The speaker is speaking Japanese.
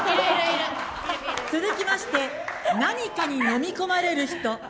続きまして、何かにのみ込まれる人。